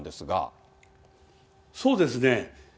そうですね。